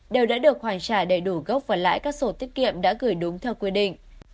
đều đã được hoàn trả đầy đủ gốc và lãi các sổ tiết kiệm đã gửi đúng theo quy định